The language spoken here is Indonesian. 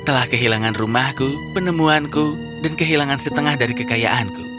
telah kehilangan rumahku penemuanku dan kehilangan setengah dari kekayaanku